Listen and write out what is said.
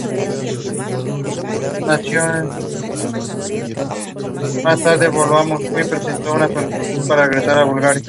Su posición era la de defensor y actualmente se encuentra fuera de actividad.